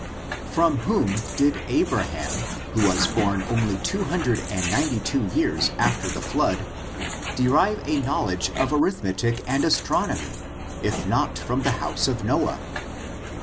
From whom did Abrahauh who was bom only two hundred and ninety two years after the flood, de< rive a knowledge of arithmetic and astronomy, if not from the house of Noah